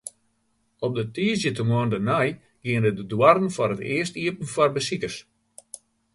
Op de tiisdeitemoarn dêrnei giene de doarren foar it earst iepen foar besikers.